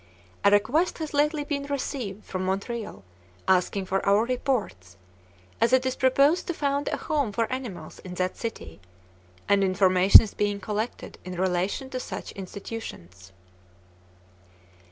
A request has lately been received from Montreal asking for our reports, as it is proposed to found a home for animals in that city, and information is being collected in relation to such institutions."